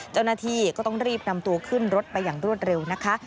เจ้าหน้าที่ก็ต้องรีบนำตัวขึ้นรถไปอย่างรวดเร็วนะคะ